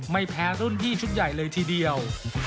ไม่แพ้รุ่นพี่ชุดใหญ่เลยทีเดียว